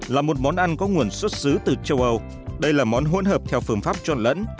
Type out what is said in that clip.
là một món ăn có nguồn xuất xứ từ châu âu đây là món hỗn hợp theo phương pháp tròn lẫn